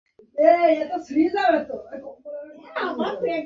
তোপও সংখ্যায় অনেক কমে গেছে।